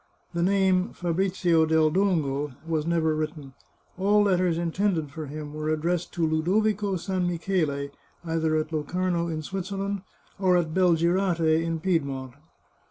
The name " Fabrizio del Dongo " was never written ; all letters in tended for him were addressed to Ludovico San Michele, either at Locarno in Switzerland, or at Belgirate in Pied mont.